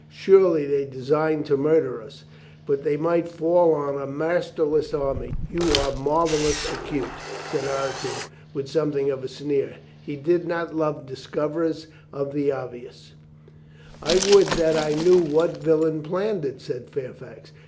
"Surely they designed to murder us, that they might fall on a masterless army." "You are marvelous acute," said Ireton with something of a sneer. He did not love discoverers of the obvious. 400 COLONEL GREATHEART "I would that I knew what villain planned it," said Fairfax.